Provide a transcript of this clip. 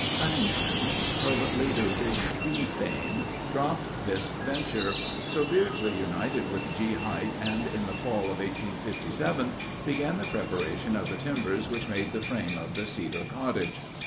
Cunningham, of later Big Tree fame, dropped this venture; so Beardsley united with G. Hite and in the fall of 1857 began the preparation of the timbers which made the frame of the Cedar Cottage.